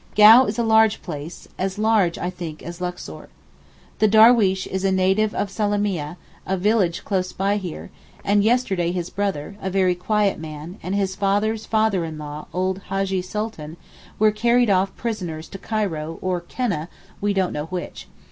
Gau is a large place—as large, I think as Luxor. The darweesh is a native of Salamieh, a village close by here, and yesterday his brother, a very quiet man, and his father's father in law old Hajjee Sultan were carried off prisoners to Cairo, or Keneh, we don't know which.